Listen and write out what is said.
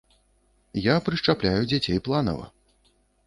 Я прышчапляю дзяцей планава.